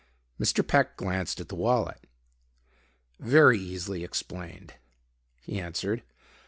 Mr. Peck glanced at the wallet. "Very easily explained," he answered.